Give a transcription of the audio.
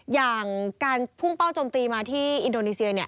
อย่างการพุ่งเป้าจมตีมาที่อินโดนีเซีย